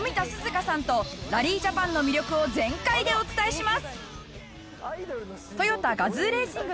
花さんとラリージャパンの魅力を全開でお伝えします